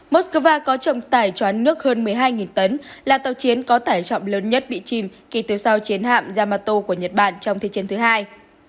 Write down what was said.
moskva có trọng tải chóa nước hơn một mươi hai tấn là tàu chiến có tải trọng lớn nhất bị chìm kỳ từ sau chiến hạm yamato của nhật bản trong thế chiến thứ hai